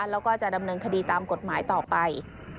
แล้วก็จะดำเนินคดีตามกฎหมายต่อไป